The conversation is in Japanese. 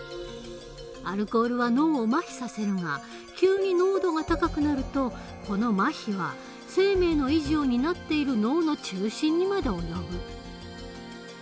アルコールは脳をまひさせるが急に濃度が高くなるとこのまひは生命の維持を担っている脳の中心にまで及ぶ。